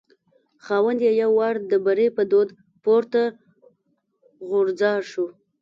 خاوند یې یو وار د بري په دود پورته غورځار شو.